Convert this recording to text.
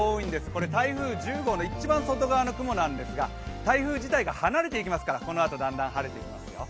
これは台風１０号の一番外側の雲なんですが、台風自体が離れていくのでこのあとだんだん晴れてきますよ。